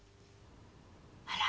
あら。